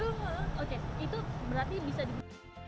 oke itu berarti bisa dibuat